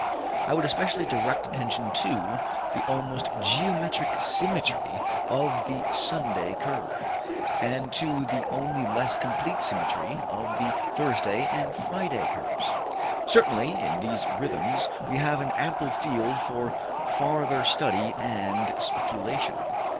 I would especially direct attention to the almost geometric symmetry of the Sunday curve, and to the only less complete symmetry of the Thursday and Friday curves. Certainly in these rhythms we have an ample field for farther study and speculation.